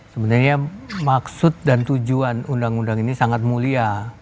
sebenarnya maksud dan tujuan undang undang ini sangat mulia